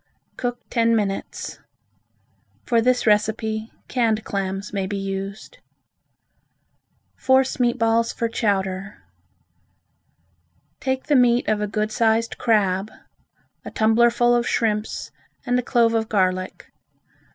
Cook ten minutes. For this recipe, canned clams may be used. Force Meat Balls for Chowder Take the meat of a good sized crab, a tumblerful of shrimps and a clove of garlic.